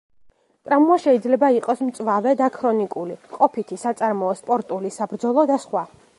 ტრავმა შეიძლება იყოს მწვავე და ქრონიკული, ყოფითი, საწარმოო, სპორტული, საბრძოლო და სხვა.